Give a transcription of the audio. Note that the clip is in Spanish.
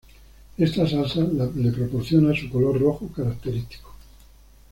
Esta salsa le proporciona su color rojo característico.